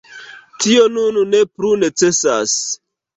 Tio nun ne plu necesas.